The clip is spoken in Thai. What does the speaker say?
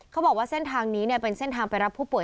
เขาบอกว่าเส้นทางนี้เป็นเส้นทางไปรับผู้ป่ว